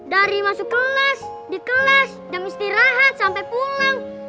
dari masuk kelas di kelas jam istirahat sampai pulang